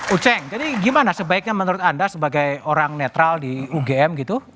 uceng jadi gimana sebaiknya menurut anda sebagai orang netral di ugm gitu